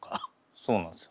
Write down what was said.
そうなんですよ。